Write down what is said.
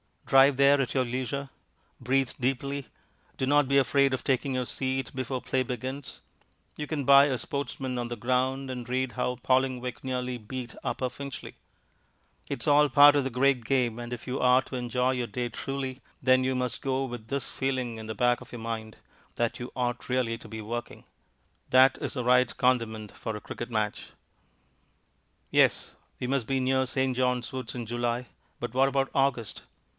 Drive there at your leisure; breathe deeply. Do not be afraid of taking your seat before play begins you can buy a Sportsman on the ground and read how Vallingwick nearly beat Upper Finchley. It is all part of the great game, and if you are to enjoy your day truly, then you must go with this feeling in the back of your mind that you ought really to be working. That is the right condiment for a cricket match. Yes; we must be near St. John's Wood in July, but what about August?